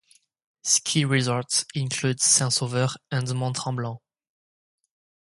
Ski resorts include Saint-Sauveur and Mont Tremblant.